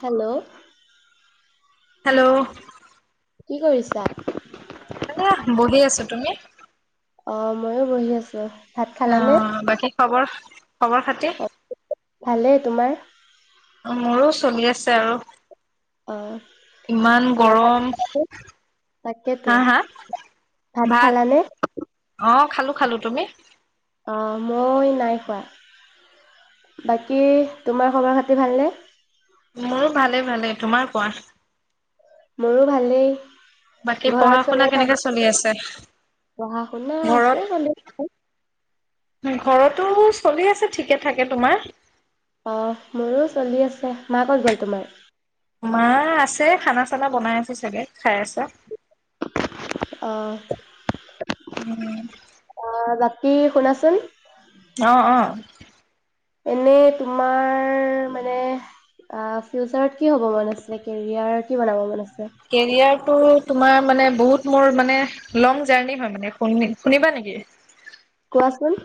Hello? Hello? কি কৰিছা? এনে, বহি আছোঁ। তুমি? অ' ময়ো বহি আছোঁ। অ' বাকী খবৰ? খবৰ খাটি? অ, ভালেই, তোমাৰ? মোৰো চলি আছে আৰু অ' ইমান ভালে গৰম, তাকেতো। হা? হা? ভাত অ' খালোঁ খালোঁ তুমি? অ মই, নাই খোৱা। বাকী, তোমাৰ খবৰ খাতি ভালনে? মোৰো ভালে, ভালে, তোমাৰ কোৱা? মোৰো ভালেই। বাকী ঘৰত পঢ়া শুনা চবৰে ভালে? কেনেকে চলি আছে? পঢ়া শুনা আছে চলি ঘৰত, আছে। ঘৰতো চলি আছে ঠিকে থাকে। তোমাৰ? অ'হ মোৰো চলি আছে। মা কত গ'ল তোমাৰ? মা আছে। খানা চানা বনাই আছে চাগে, খাই আছে। আহ আহ কি শুনাচোন? আহ অ এনে তোমাৰ মানে ফিউচাৰত কি হ'ব মন আছিলে? কেৰিয়াৰ কি বনাব মন আছিলে? কেৰিয়াৰ তোমাৰ মানে বহুত মোৰ মানে লং জাৰ্ণি হয় মানে শু শুনিবা নেকি? কোৱাচোন?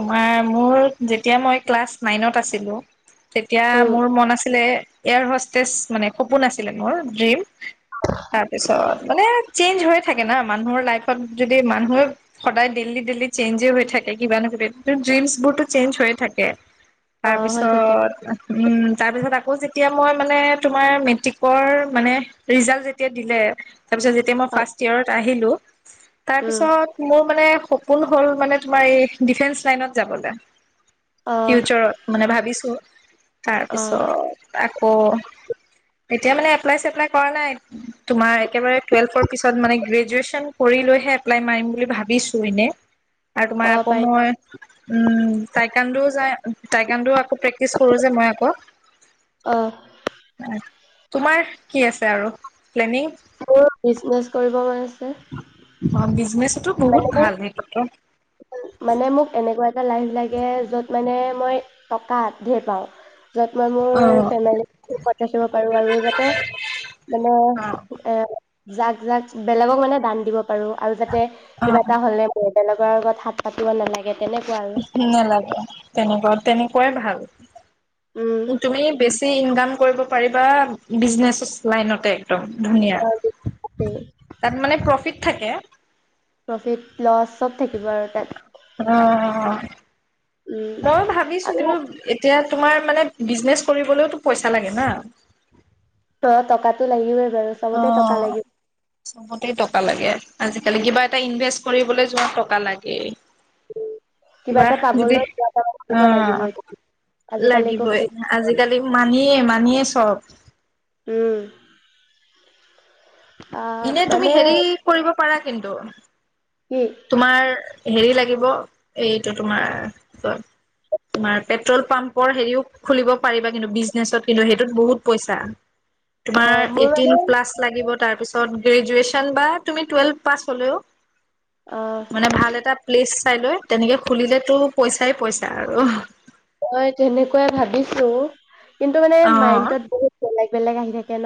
তোমাৰ মোৰ যেতিয়া মই ক্লাছ নাইনত আছিলো, তেতিয়া উম। মোৰ মন আছিলে। এয়াৰ হষ্টেচ, মানে সপোন আছিলে মোৰ ড্ৰিম, তাৰপিছত মানে চেঞ্জ হৈয়ে থাকে না মানুহৰ লাইফত যদি মানুহে সদায় ডেইলি ডেইলি চেঞ্জে হৈ থাকে কিবা ন কিবা ড্ৰীমচ বোৰটো চেঞ্জ হৈ থাকে আহ হৈ থাকে তাৰপিছত, উম তাৰ পিছত আকৌ যে তেতিয়া মই মানে তোমাৰ মেট্ৰিকৰ মানে ৰিজাল্ট যেতিয়া দিলে, তাৰপিছত যেতিয়া মই আহ ফাৰ্ষ্ট ইয়েৰত আহিলো, উম তাৰপিছত মোৰ মানে, সপোন হ'ল মানে তোমাৰ এই ডিফেন্স লাইনত যাবলে। আহ ফিউচাৰত মানে ভাবিছো। হয় [inaudible] আহ তাৰপিছত প' এতিয়া মানে এপ্লাইছেপ্লাই কৰা নাই। তোমাৰ একেবাৰে টুৱেলভৰ পিছত মানে গ্ৰেজুৱেচন কৰি লৈহে এপ্লাই মাৰিম বুলি ভাবিছো এনে। আৰু তোমাৰ অ আকৌ পাৰি মই উম টাইকান্দোও যাই টাইকাণ্দো আকৌ প্ৰেক্টিচ কৰো যে মই আকৌ। আহ তোমাৰ কি আছে আৰু প্লেনিং মোৰ বিজনেচ কৰিব মন আছে। টো বহুত মানে ভাল সেইটো ত। মানে মোক এনেকুৱা এটা লাইন লাগে য'ত মানে ম‌ই টকা ধেৰ পাওঁ। য'ত মই মোৰ অ ফেমিলিক সুখত ৰাখিব পাৰো আৰু যাতে মানে অ এ যাক যাক বেলেগক মানে দান দিব প আৰু যাতে অ কিবা এটা হলে হল বেলেগৰ আগত হাত পাতিব নালাগে তেনেকুৱা আৰু নেলাগে তেনেকোৱা তেনেকোৱাই ভাল উম তুমি বেছি ইনকাম কৰিব পাৰিবা বিজনেচেচ লাইনতে একদম ধুনীয়া তাত মানে প্ৰফিট থাকে প্ৰফিট লছ চব থাকিব আৰু তাত অ উম অ অ মই ভাবিছো আৰু কিন্তু এতিয়া তোমাৰ মানে বিজনেচ কৰিবলৈওতো পইচা লাগে না অ টকাতটো লাগিবই বাৰু অ চবতে টকা লাগিব চবতে টকা লাগে আজিকালি কিবা এটা ইনভেষ্ট কৰিবলৈ যোৱা টকা লাগে কিবা এটা যদি পাবলৈ কিবা এটা অ কৰিব লাগিবই আজিকালি একো লাগিবই ফ্ৰী আজিকালি মানিয়ে মানিয়ে চব [unintelligible] উম আহ এনে তুমি মানে হেৰি কৰিব পাৰা কিন্তু কি তোমাৰ হেৰি লাগিব এইটো তোমাৰ কি কয় তোমাৰ পেট্ৰল পাম্পৰ হেৰিও খুলিব পাৰিবা কিন্তু বিজনেচত কিন্তু সেইটোত বহুত পইচা অ তুমাৰ মোৰ এইটিন মানে প্লাছ লাগিব তাৰ পিছত ত গ্ৰেজুৱেচন বা তুমি টুৱেলভ পাছ হ'লেও অ মানে ভাল এটা প্লেচ চাই লৈ তেনেকে খুলিলে তো পইচাই পইচা আৰু মই তেনেকোৱাই ভাবিছো কিন্তু মানে অ'। মাইণ্ডত বহুত বেলেগ বেলেগ আহি থাকে কেন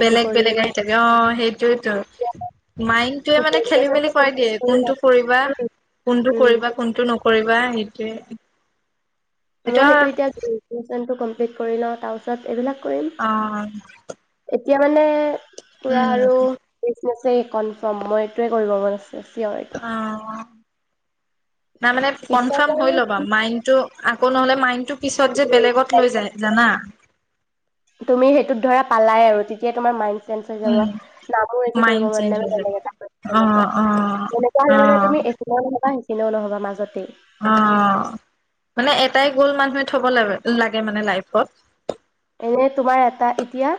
বেলেগ বেলেগ আহি থাকে অ মাইণ্ডটোৱে মানে খেলি মেলি গ্ৰেজুৱেচনটো কৰাই দিয়ে কমপ্লিট কৰি লওঁ। কোনটো কৰিবা কোনটো উম কৰিবা কোনটো নকৰি কৰিবা সেইটোৱে মই এতিয়া সেইটো এতিয়ানটো গ্ৰেজোএছনটো গম তিত কৰি লওঁ তাৰপিছত এইবিলাক অ' এতিয়া মানে পুৰা আৰু উম কনফাৰ্ম মই এইটোৱে কৰিব মন আছে। ছিয়ৰ এইটো [unintelligible] তাৰ মানে পিছত কনফাৰ্ম আৰু হৈ ল'বা মাইণ্ডটো আকৌ নহ'লে মাইণ্ডটো পিছত যে বেলেগত লৈ যায় জানা পালা আৰু তেতিয়া তোমাৰ মাইণ্ড চেঞ্জ হৈ যাব উম না মোৰ এইটো কৰিব মাইণ্ড মন চেঞ্জ নাই হৈ যাব। অ', অ', তেনেকোৱা হলে মানে অ', তুমি এনেও নহব মাজত অ মানে এটাই গল মানুহে থব লাগ লাগে মানে লাইফত এনে তোমাৰ এটা এতিয়া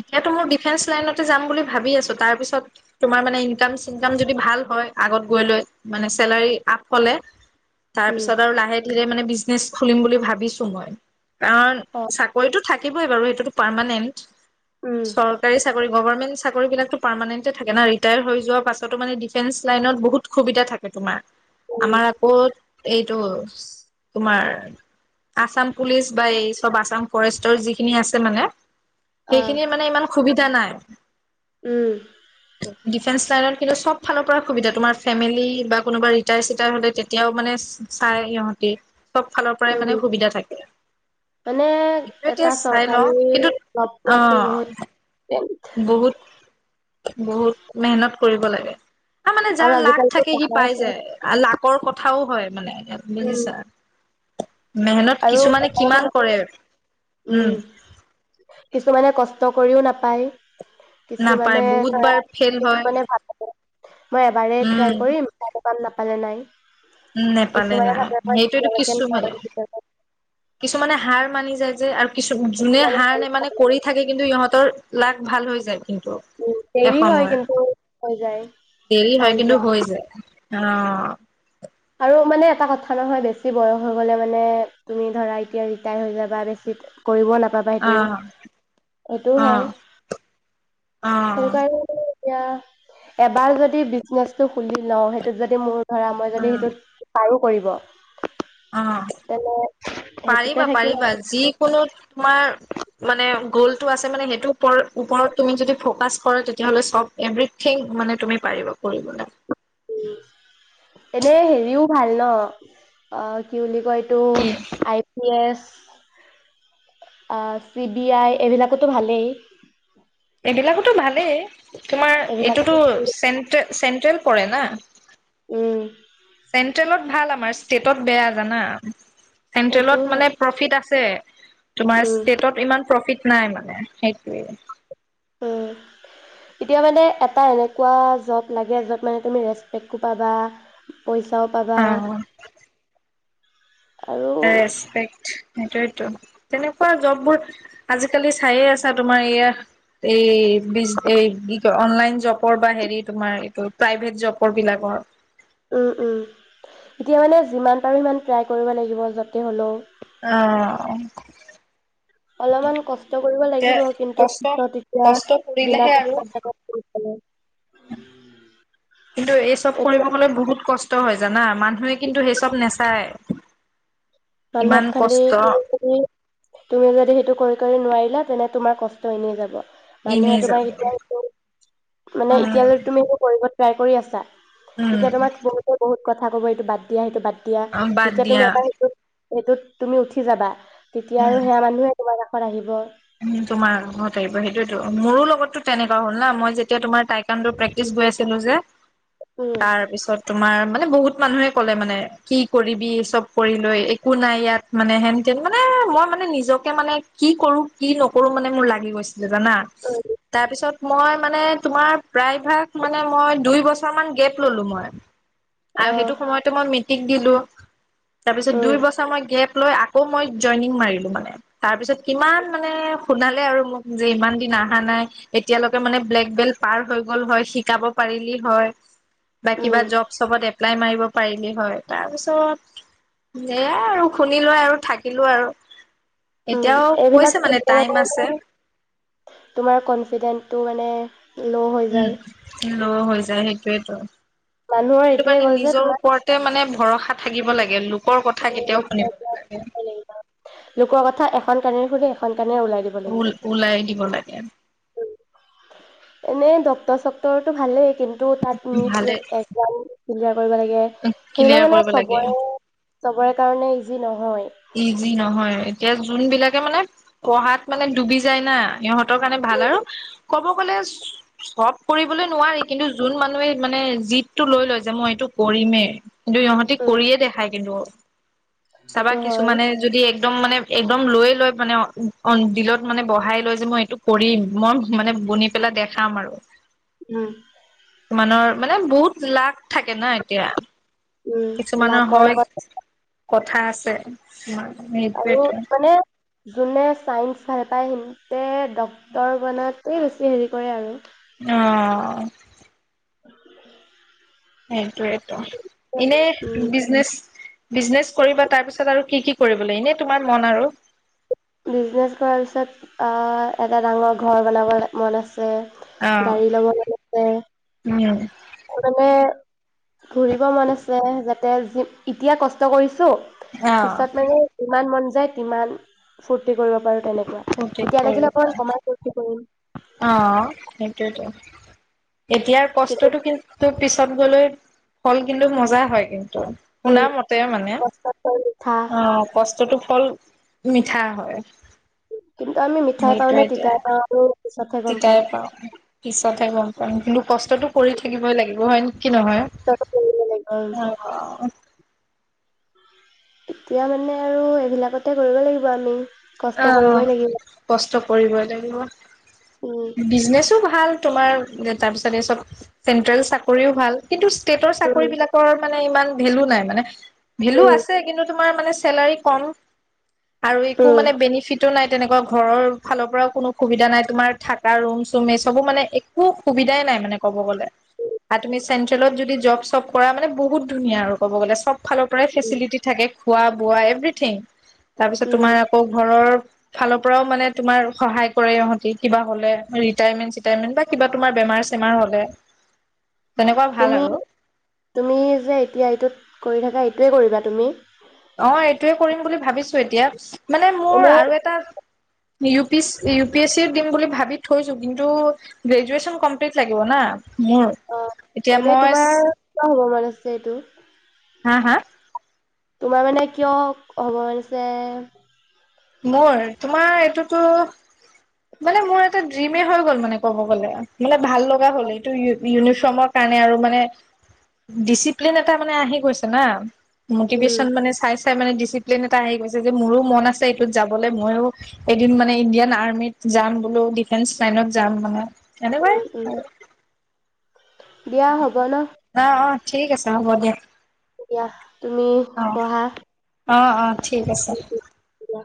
এতিয়াতো মোৰ ডিফেন্স লাইনতে যাম বুলি ভাবি আছো তাৰপিছত তোমাৰ মানে ইনকাম চিনকাম যদি ভাল হয় আগত গৈ লৈ মানে চেলাৰী আপ হ'লে তাৰ উম পিছত আৰু লাহে ধীৰে মানে বিছ খুলিম বুলি ভাবিছো মই কাৰণ অ চাকৰিতটো থাকিবই বাৰু সেইটোতো পাৰমাননেণ্ট উম ছৰকাৰী চাকৰি গভৰ্মেণ্ট চাকৰি বিলাকতো পাৰ্মমানেণ্টে থাকে না ৰিটায়াৰ হৈ যোৱাৰ পাছতো মানে ডিফেন্স লাইনত বহুত‌ সুবিধা থাকে তোমাৰ। উম আমাৰ আকৌ এইটো তোমাৰ আছাম পুলিচ বা এই চব আছাম ফৰেষ্টৰ যিখিনি আছে মানে। আহ সেইখিনিৰ মানে ইমান সুবিধা নাই। উম ডিফেন্স লাইনত কিন্তু চব ফালৰ পৰা সুবিধা তোমাৰ ফেমিলি বা কোনোবা ৰিটায়াৰ চিটায়াৰ হলে তেতিয়াও মানে চাই সিহঁতি চব ফালৰ পৰাই উম মানে সুবিধা থাকে মানে সেইটো এটা এতিয়া চাই চৰকাৰী লওঁ কিন্তু জব অ পোৱাতো বহুত বহুত বহুত মেহনত কৰিব লাগে হ মানে আৰু যাৰ লাক আজিকালিতো থাকে সি পঢ়াই পাই চব যায় লাকৰ কথাও হয় মানে। উম বুজিছা মেহনত আৰু এটা কিছুমানে কথা কিমান ন- কৰে। উম, কিছুমান মানে কষ্ট কৰিও নাপায়। নাপায় কিছুমানে বহুত ধৰা, বাৰ ফেইল হয়। ভালকে মই এবাৰ উম ট্ৰাই কৰিম পাম নাপালে নাই। নেপালে কিছুমানে নাই। ভাবে মই সেইটোটো এতিয়ালৈকে নোৱাৰো কিছুমানে, কেতিয়াবা কিছুমানে হাৰ মানি যায় যে আৰু কিছু, যোনে কিছুমানে হাৰ নেমানে পাৰিব। কৰি থাকে কিন্তু ইহঁতৰ লাগ ভাল হৈ যায়। কিন্ত অ। উম, দেৰি হয় কিন্তু হৈ যায় পাই যায় আৰু মানে এটা কথা নহয় বেছি বয়স হৈ গলে মানে তুমি ধৰা এতিয়া ৰিটায়াৰ হৈ যাবা, বেছি কৰিব নাপাবা অ এইটো, এইটো অ হয়। সেইটো অ কাৰ এয়া, এবাৰ যদি বিজনেচটো খুলি লও সেইটোত যদি মোৰ ধৰা মই যদি পাৰো কৰিব অ তেনে সেইটোতে পাৰিবা থাকিম পাৰিবা, যিকোনো তোমাৰ মানে গ'লটো আছে মানে সেইটো পৰ ওপৰত তুমি যদি ফকাচ কৰা, তেতিয়াহলে চব এভৰিথিং মানে তুমি পাৰিব কৰিবলে। এনে হেৰিও ভাল ন, অ কি বুলি কি কয় এইটো, কি আই পি এছ আহ, চি বি আই এইবিলাকতো ভালেই। এইবিলাকোতো ভালেই তোমাৰ এইটোতো এইবিলাকতো চেণ্ট্ৰেল চেণ্ট্ৰেল পৰে না। উম। চেন্ট্ৰেলত ভাল আমাৰ, ষ্টেটত বেয়া জানা। সেইটো চেন্ট্ৰেলত হয়। মানে প্ৰফিত আছ পে তোমাৰ উম ষ্টেটত ইমান প্ৰফিট নাই মানে, সেইটোৱেই। উম, এতিয়া মানে এটা এনেকুৱা জ'ব লাগে য'ত মানে তুমি ৰেচপেক্টকো পাবা পইচাও পাবা অ আৰু ৰেচপেক্ট সেইটোয়তো। তেনেকুৱা জববোৰ আজিকালি চায়ে আছা তোমাৰ এইয়া এই, এই বিচ এই কি কয় অনলাইন জবৰ বা হেৰি তোমাৰ এইটো প্ৰাইভেট জবৰ বিলাকৰ। উম উম, এতিয়া মানে যিমান পাৰোঁ সিমান ট্ৰাই কৰিব লাগিব য'তে হ'লেও। অহ। অলপমান কষ্ট কৰিব লাগিব কিন্তু কষ্ট পিছত এতিয়া কষ্ট বিনা। কৰিলেহে আৰু কিন্তু এই চব এতিয়া কৰিব গলে বহুত কষ্ট। হয় জানা মানুহে কিন্তু সেই চব নাচায়। মানুহক খালি তুমি যদি সেইটো কৰি। নোৱাৰিলা তেনে তোমাৰ কষ্ট এনে যাব। মানুহে এনেই যাব তোমাৰ এতিয়া মানে এতিয়ালৈ তুমি একো কৰিব। ট্ৰাই কৰি আছা। উম তেতিয়া তোমাৰ বহুতে বহুত। কথা ক'ব এইটো বাদ দিয়া সেইটো বাদ। এতিয়া উম বাদ যেতিয়া দিয়া তুমি এটা। সেইটোত তুমি উঠি যাবা। তেতিয়া আৰু সেয়া মানুহে তোমাৰ। ইয়াত আহিব। উ তোমাৰ ঘৰত আহিব সেইটোয়তো মোৰো লগতো তেনেুৱা হ'ল না মই যেতিয়া তোমাৰ টাইকাড প্ৰেক্টিচ কৰি আছিলো যে। উম, তাৰপিছত। তোমাৰ মানে বহুত মানুহে ক'লে মানে কি কৰিবি চব কৰি লৈ একো নাই ইয়াত মানে হেনতেন মানে মই মানে নিজকে মানে কি কৰো। কি নকৰো মানে মোৰ লাগি গৈছে। জানা তাৰপিছত মই মানে। তোমাৰ প্ৰায় ভাগ মানে মই দুই বছৰ মান গেপ ললো মই। আৰু আহ, সেইটো সময়তে মই ম। এক দিলো। তাৰপিছত উম, দুই বছৰ মই গেপ। লৈ আকৌ মই জইনিং মাৰিলো মানে। তাৰপিছত কিমান। ম শুনালে আৰু মোক যে ইমান দিন অহা নাই এতিয়ালৈকে মানে ব্লেক বেল্ট পাৰ হৈ গল হয় শিকাব পাৰিলি হয়। বা কিবা উম, জব চবত। লাই মাৰিব পাৰিলি হয় তাৰপিছত এয়াই আৰু শুনিলো আৰু থাকিলো আৰু। এতিয়াও। সাক কৈছে টাইম আছে মানে তোমাৰ কনফিডেন্টো মানে? ল' হৈ উম যায়। উম হৈ যায় সেইটোয়েতো? মানুহৰ সেইটো এইটোয়ে কাৰণে গ'ল যে নিজৰ তোমাক ওপৰতে মানে। ভৰসা থাকিব লাগে লোক। কথা কেতিয়াও শুনিব নালাগে? লোকৰ [unintelligible] দিব লাগিব। উল ওলাই দিব লাগে। এনেই ডক্টৰ চক্তৰটো ভালেই কিন্তু। দু তাত নপ ভালে একজামতোত। [inaudible] কৰিব লাগে ক্লিয়াৰ সেইবিলাক মানে কৰিব লাগে চবৰে চবৰে কাৰণে। আজি নহয়। ইজি নহয় এতিয়া যোনবিলাকে মানে পঢ়াত মানে ডুবি যায় না সিহঁতৰ কাৰণে ভাল আৰু ক'ব গলে চব কৰিবলৈ নোৱাৰি কিন্তু যোন মানুহে মানে জীতটো লৈ লয় যে মই এইটো কৰিমেই। কিন্তু ইহঁতি উম কৰিয়ে দেখায় কিন্তু। চাবা সেইটো হয়। কিছুমানে যদি এক। একদম মানে একদম লৈ লৈ মানে বিলত মানে বঢ়াই লৈ যে মই এইটো কৰিম মই মানে বনি পেলাই দেখাম আৰু। উম। কিমানৰ মানে বহুত লাখ। থাকে ন এতিয়া কিছুমানৰ লাকৰ হয়। লগত কথা আছে তোমাৰ। আৰু সেইটোৱেতো মানে। যোনে ছাইন্স ভাল পায় সিতে ডক্তৰ বনাতে বেছি হেৰি কৰে আৰুৱ আহ সেইটোৱেই। এনেই উম। বিজনেছ। বিজনেচ কৰিবা তাৰ পিছত আৰু কি কি কৰিব লাগে এনেই তোমাৰ মন আৰু। বিজনেছ কৰাৰ পিছত এটা ডাঙৰ ঘৰ বনাব মন আছে। অ', গাড়ী লব লাগিছে উম, আৰু মানে। ঘৰিব মন আছে যাতে যি এতিয়া কষ্ট কৰিছে। টো অ', পিছত মানে ই মান। যে কিমান। ফূৰ্তি কৰিব পাৰো তেনেকে। এতিয়া লাগিলে অকমান কমাই [unintelligible] আহ সেইটোৱে ত। এতিয়াৰ কিন্তু কষ্টতটো কিন্তু। পিছত গ'লে হল কিন্তু মজা হয় কিন্তু। উম শুনা মতে মানে কষ্টত পাই মিঠা অ কষ্টতটো। অকল মিঠা হয়। কিন্তু আমি মিঠাই পাওঁ নে তিতাই পাওঁ আৰু। পিছতহে গম পাম তিতাইে পাওঁ পিছতহে গম পাম কিন্তু কষ্টতটো কৰি থাকিবই লাগিব হয় নে। তাকে কৰিব লাগিব উম। অ', এতিয়া মানে আৰু এইবিলাকতে কৰিব লাগিব আমি। কষ্ট অ কৰিবই লাগিব কষ্ট। কৰিবই লাগিব। উম বিজনেচো ভাল। তোমাৰ তাৰ পিছত এই চব চেন্ট্ৰেল চাকৰিও ভাল কিন্তু। ষ্টেটৰ চাকৰি উম বিলাকৰ মানে- ইমান ভেলু নাই মানে ভেলু উম আছে কিন্তু তোমাৰ মানে। চেলাৰী কম। তো উম মানে বেনিফিট। টো নাই তেনেকুৱা ঘৰৰ ফালৰ পৰাও কোনো সুবিধা নাই। তোমাৰ থাকা ৰুম চুম এই চবো মানে একো সুবিধাই নাই। মানে ক'ব গ'লে আৰু তুমি চেন্ট্ৰেলত যদি জব চব কৰা মানে। বহুত ধুনীয়া আৰু ক'ব গ'লে চব। ফালৰ পৰাই উম ফেচিলিটি থাকে। খোৱা বোৱা এভ্ৰিথিং। তাৰ পিছত উম তোমাৰ। ফালৰ পৰাও মানে তোমাৰ সহায় কৰে ইহতি কিবা হ'লে ৰিটাইমেন্ চিতাইমেন বা কিবা তোমাৰ বেমাৰ চেমাৰ হ'লে। তেনেকুৱা ভাল তুমি আৰু তুমি যে এতিয়া এইটোত কৰি থাকা এইটোৱে কৰিবা তুমি? অ এইটোৱে কৰিম বুলি ভাবিছোঁ এতিয়া। মানে মোৰ এনে আৰু এটা U P C E- P S E দিম বুলি ভাবি থৈছোঁ কিন্তু গ্ৰেজুৱেচন কমপ্লিট লাগিব না। মোৰ অ এতিয়া এনে মই তোমাৰ কিয় হ'ব মন আছে এইটো হা হা তোমাৰ মানে কিয় হ'ব হৈছে। মোৰ তোমাৰ এইটোতো মানে মোৰ এটা ড্ৰিম হৈ গ'ল মানে। ক'ব গলে মানে ভাল লগা হ'ল এইটো ইউনিফৰ্মৰ কাৰণে আৰু মানে ডিচিপ্লিন এটা মানে আহি গৈছে না। উম মটিভেশ্যন মানে চাই। মানে ডিচিপ্লিন এটা আহি গৈছে যে মোৰো মন আছে- যাবলৈ ময়ো এদিন মানে ইণ্ডিয়ান আৰ্মিত যাম বোলো ডিফেন্স লাইনত যাম মানে। এনেকুৱাই। উম উম। দিয়া হ'ব ন অ অ ঠিক আছে। হ'ব দেহ। দিয়াহ। তুমি পঢ়া। অঁ! অঁ! ঠিক আছে। দিয়া